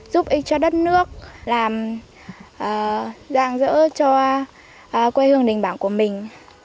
giúp ích cho đất nước làm dạng dỡ cho quê hương đình bảng của mình